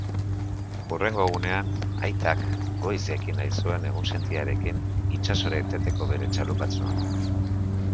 Hurrengo egunean, aitak goiz jaiki nahi zuen egunsentiarekin itsasora irteteko bere txalupatxoan.